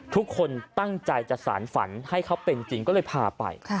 ทุกคนตั้งใจจะสารฝันให้เขาเป็นจริงก็เลยพาไป